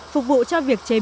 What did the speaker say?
phục vụ cho việc chế biến cá